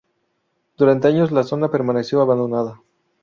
Durante años la zona permaneció abandonada.